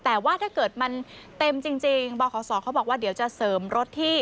แต่ว่าถ้าเกิดมันเต็มจริงบขศเขาบอกว่าเดี๋ยวจะเสริมรถที่